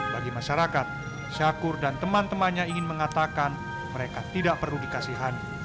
bagi masyarakat syakur dan teman temannya ingin mengatakan mereka tidak perlu dikasihan